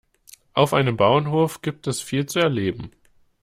Auf einem Bauernhof gibt es viel zu erleben.